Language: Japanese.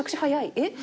えっ？